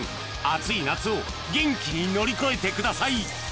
［暑い夏を元気に乗り越えてください！］